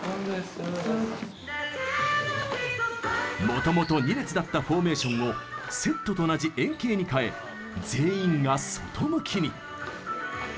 もともと２列だったフォーメーションをセットと同じ円形に変え全員が外向きに。